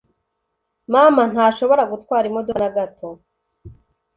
Mama ntashobora gutwara imodoka na gato.